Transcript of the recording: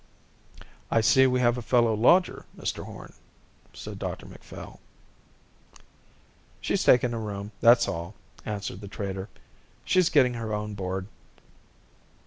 "I see we have a fellow lodger, Mr Horn," said Dr Macphail. "She's taken a room, that's all," answered the trader. "She's getting her own board."